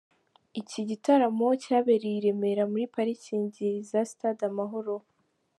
Iki gitaramo cyabereye i Remera muri Parikingi za Stade Amahoro.